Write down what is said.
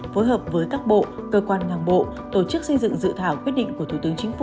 phối hợp với các bộ cơ quan ngang bộ tổ chức xây dựng dự thảo quyết định của thủ tướng chính phủ